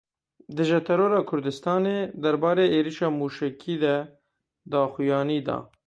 Dije Terora Kurdistanê derbarê êrişa mûşekî de daxuyanî da.